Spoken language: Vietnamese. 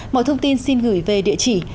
mọi thông tin xin gửi về địa chỉ